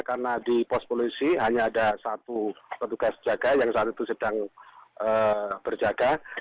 karena di pos polisi hanya ada satu petugas jaga yang saat itu sedang berjaga